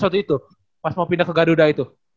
waktu itu pas mau pindah ke garuda itu